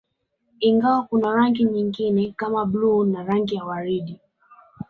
Ingawa kuna rangi nyingine kama bluu na rangi ya waridi